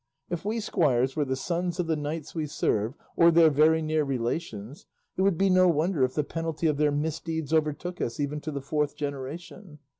If we squires were the sons of the knights we serve, or their very near relations, it would be no wonder if the penalty of their misdeeds overtook us, even to the fourth generation.